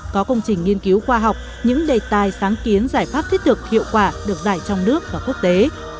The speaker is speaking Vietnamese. có công trình nghiên cứu khoa học những đề tài sáng kiến giải pháp thiết thực hiệu quả được giải trong nước và quốc tế